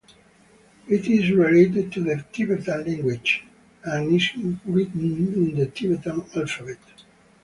It is related to the Tibetan language and is written in the Tibetan alphabet.